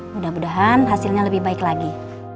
mudah mudahan hasilnya lebih baik lagi